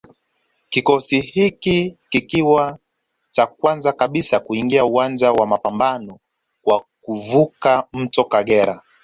Kikosi hiki kikiwa cha kwanza kabisa kuingia uwanja wa mapambano kwa kuvuka mto Kagera